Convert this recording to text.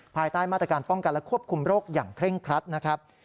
ภายใต้มาตรการป้องกันและควบคุมโรคอย่างเคร่งครัดนะครับ